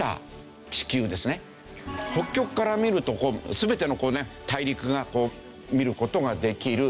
北極から見ると全ての大陸がこう見る事ができる。